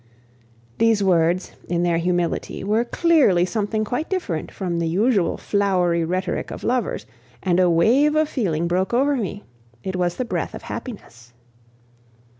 These words, in their humility, were clearly something quite different from the usual flowery rhetoric of lovers, and a wave of feeling broke over me; it was the breath of happiness.